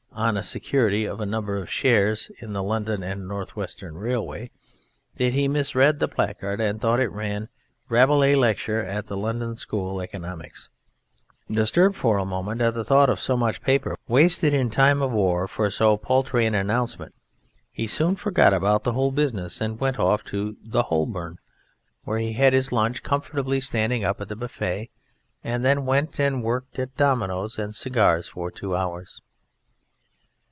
] on security of a number of shares in the London and North Western Railway) that he misread the placard and thought it ran "Rabelais lecture at the London School Economics"; disturbed for a moment at the thought of so much paper wasted in time of war for so paltry an announcement, he soon forgot about the whole business and went off to "The Holborn," where he had his lunch comfortably standing up at the buffet, and then went and worked at dominoes and cigars for two hours.